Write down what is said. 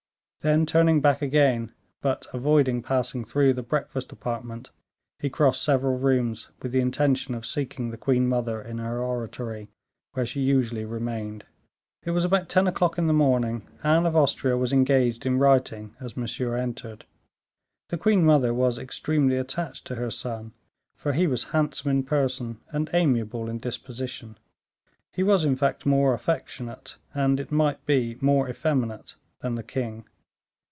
Then, turning back again, but avoiding passing through the breakfast apartment, he crossed several rooms, with the intention of seeking the queen mother in her oratory, where she usually remained. It was about ten o'clock in the morning. Anne of Austria was engaged in writing as Monsieur entered. The queen mother was extremely attached to her son, for he was handsome in person and amiable in disposition. He was, in fact, more affectionate, and it might be, more effeminate than the king.